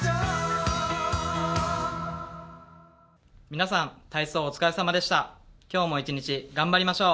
皆さん、体操お疲れ様でした。